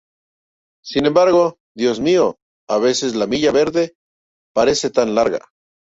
Sin embargo, Dios mío, a veces la milla verde parece tan larga..."".